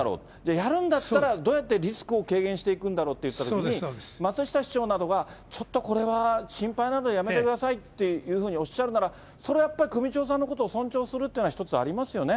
やるんだったらどうやってリスクを軽減していくんだろうといったときに、松下市長などが、ちょっとこれは心配なのでやめてくださいっていうふうにおっしゃるなら、それはやっぱり、首長さんのことを尊重するというのは一つありますよね。